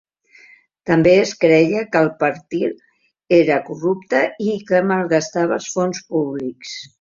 També es creia que el partir era corrupte i que malgastava els fons públics.